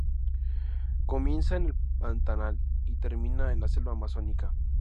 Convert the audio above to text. Comienza en el Pantanal y termina en la selva amazónica.